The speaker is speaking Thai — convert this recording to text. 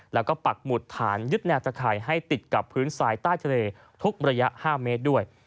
แล้วก็ปักหมุดฐานยึดแนวตะข่ายให้ติดกับพื้นทรายใต้ทะเลทุกระยะ๕เมตรด้วย